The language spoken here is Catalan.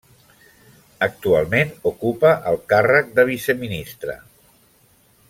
Actualment ocupa el càrrec de viceministra.